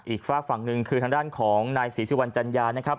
ฝากฝั่งหนึ่งคือทางด้านของนายศรีสุวรรณจัญญานะครับ